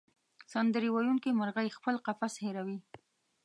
سندرې ویونکې مرغۍ خپل قفس هېروي.